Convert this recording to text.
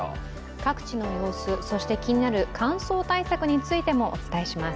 各地の様子、気になる乾燥対策についてもお伝えします。